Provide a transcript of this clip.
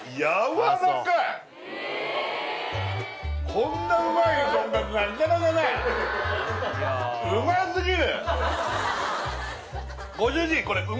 こんなうまいとんかつなかなかないうますぎる！